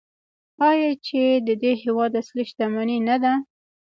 آیا چې د دې هیواد اصلي شتمني نه ده؟